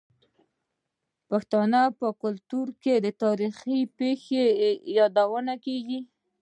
د پښتنو په کلتور کې د تاریخي پیښو یادونه کیږي.